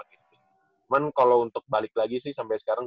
cuman kalau untuk balik lagi sih sampai sekarang